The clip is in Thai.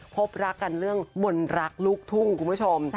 พบรักกันเรื่องมนต์รักลูกทุ่งคุณผู้ชม